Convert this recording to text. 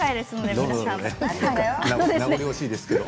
名残惜しいです。